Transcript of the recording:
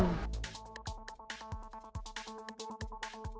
ini semua melalui handphone